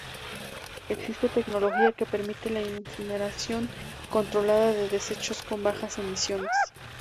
Existe tecnología que permite la incineración controlada de desechos con bajas emisiones.